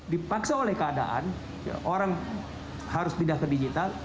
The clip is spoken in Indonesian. dipaksa oleh keadaan orang harus pindah ke digital